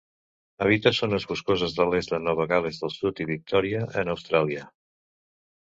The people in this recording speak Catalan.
Habita zones boscoses de l'est de Nova Gal·les del Sud i Victòria, en Austràlia.